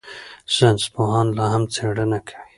ساینسپوهان لا هم څېړنه کوي.